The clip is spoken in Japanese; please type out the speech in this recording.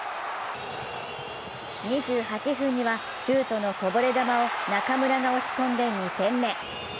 ２８分にはシュートのこぼれ球を中村が押し込んで２点目。